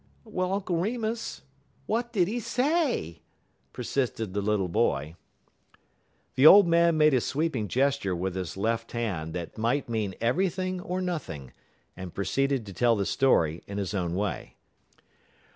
"Well, Uncle Remus, what did he say?" persisted the little boy. The old man made a sweeping gesture with his left hand that might mean everything or nothing, and proceeded to tell the story in his own way.